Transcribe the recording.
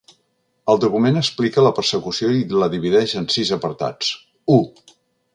El document explica la persecució i la divideix en sis apartats: u.